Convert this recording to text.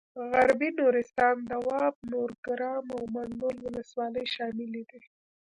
غربي نورستان دواب نورګرام او منډول ولسوالۍ شاملې دي.